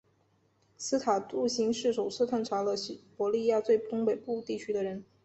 斯塔杜欣是首次探查了西伯利亚最东北部地区的人。